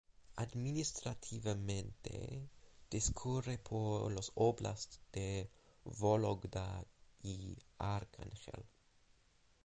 Administrativamente, discurre por los óblast de Vólogda y Arcángel.